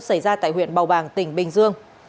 xảy ra tại huyện bào bàng tỉnh bình dương